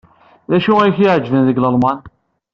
D acu ay k-iɛejben deg Lalman?